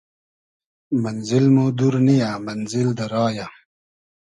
مئنزیل مۉ دور نییۂ مئنزیل دۂ را یۂ